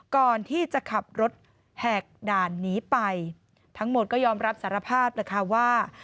ก่อนที่จะขับรถแหกด่านหนีไปทั้งหมดก็ยอมรับสารภาพแหละค่ะว่า